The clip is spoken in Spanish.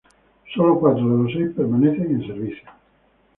Solo cuatro de los seis permanecen en servicio.